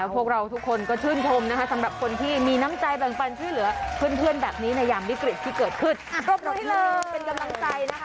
พวกเราทุกคนก็ชื่นชมนะคะสำหรับคนที่มีน้ำใจแบ่งปันช่วยเหลือเพื่อนแบบนี้ในยามวิกฤตที่เกิดขึ้นนะคะ